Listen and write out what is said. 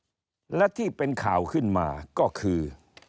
ว่าอย่างนั้นเถอะและที่เป็นข่าวขึ้นมาก็คือ